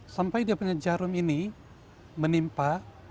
sampai dia punya jarum ini menimpa